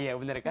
iya bener kan